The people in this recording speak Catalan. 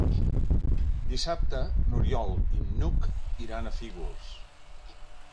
Dissabte n'Oriol i n'Hug iran a Fígols.